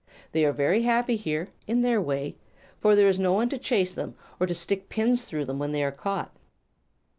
They are very happy here, in their way, for there is no one to chase them or to stick pins through them when they are caught."